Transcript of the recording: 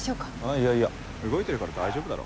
いやいや動いてるから大丈夫だろ。